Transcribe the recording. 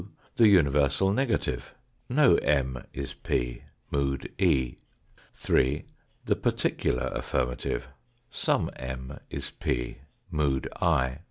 The universal negative ; no M is P, mood E. 3. The particular affirmative ; some M is p, mood I.